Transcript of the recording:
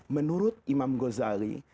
menurut imam ghazali